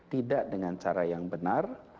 tidak dengan cara yang benar